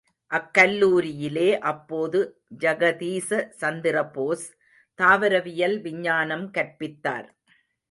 அக்கல்லூரியிலே அப்போது ஜகதீச சந்திரபோஸ் தாவரவியல் விஞ்ஞானம் கற்பித்தார்.